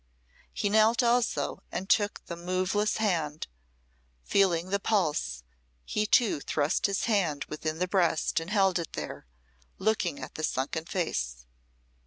He knelt also and took the moveless hand, feeling the pulse; he, too, thrust his hand within the breast and held it there, looking at the sunken face.